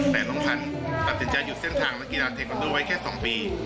แต่น้องพันธุ์ตัดสินใจหยุดเส้นทางนักกีฬาเทควันโดไว้แค่๒ปี